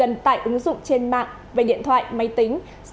cần tải ứng dụng trên mạng về điện thoại máy tính